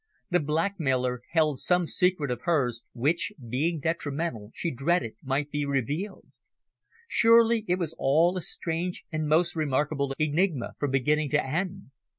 The blackmailer held some secret of hers which, being detrimental, she dreaded might be revealed. Surely it was all a strange and most remarkable enigma from beginning to end!